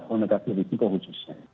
komunikasi risiko khususnya